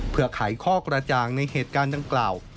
เพื่อไขข้อกระจ่างในเหตุการณ์ดังกล่าว